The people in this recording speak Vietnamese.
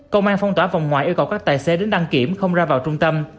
công an phong tỏa vòng ngoại yêu cầu các tài xế đến đăng kiểm không ra vào trung tâm